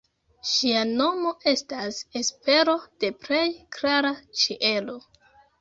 Ŝia nomo estas espero de plej klara ĉielo.